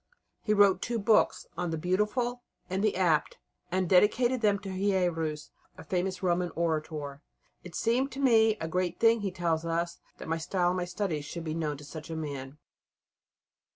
He wrote two books on the "Beautiful" and the "Apt," and dedicated them to Hierus, a famous Roman orator. "It seemed to me a great thing," he tells us, "that my style and my studies should be known to such a man."